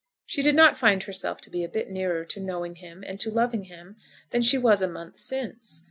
She did not find herself to be a bit nearer to knowing him and to loving him than she was a month since.